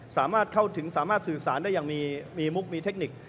สามารถเข้าถึงสามารถสื่อสารได้อย่างมีมุกมีเทคนิค